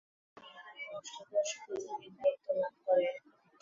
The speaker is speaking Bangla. তিনি ঐ বিহারের অষ্টাদশ প্রধানের দায়িত্ব লাভ করেন।